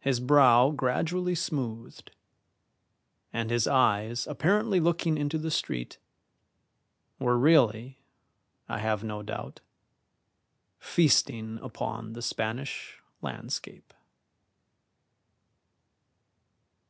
His brow gradually smoothed, and his eyes apparently looking into the street were really, I have no doubt, feasting upon the Spanish landscape.